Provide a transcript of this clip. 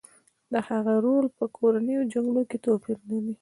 د هغه رول په کورنیو جګړو کې توپیر لري